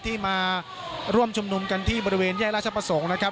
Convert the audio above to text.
แล้วก็ยังมวลชนบางส่วนนะครับตอนนี้ก็ได้ทยอยกลับบ้านด้วยรถจักรยานยนต์ก็มีนะครับ